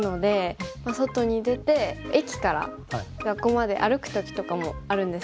外に出て駅から学校まで歩く時とかもあるんですけど。